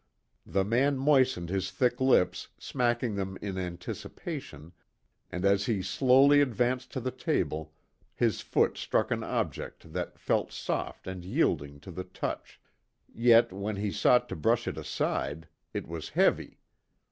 The man moistened his thick lips, smacking them in anticipation, and as he slowly advanced to the table, his foot struck an object that felt soft and yielding to the touch, yet when he sought to brush it aside, it was heavy.